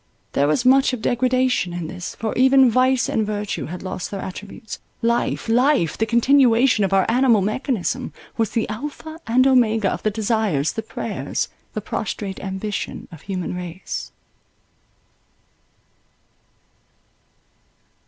There was much of degradation in this: for even vice and virtue had lost their attributes—life—life—the continuation of our animal mechanism— was the Alpha and Omega of the desires, the prayers, the prostrate ambition of human race.